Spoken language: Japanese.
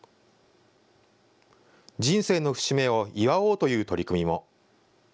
人生の節目を祝おうという取り組みも。